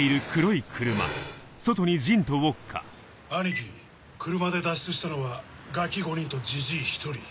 アニキ車で脱出したのはガキ５人とジジイ１人。